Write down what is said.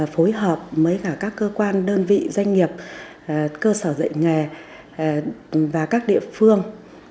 phối hợp với cả các cơ quan đơn vị doanh nghiệp cơ sở dạy nghề và các địa phương